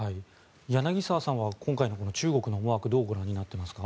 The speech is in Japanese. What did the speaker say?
柳澤さんは今回のこの中国の思惑どうご覧になっていますか。